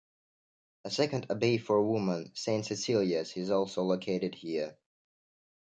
A second abbey for women, Saint Cecilia's, is also located here.